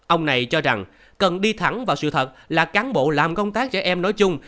ông này cho rằng cần đi thẳng vào sự thật là cán bộ làm công tác trẻ em nói chung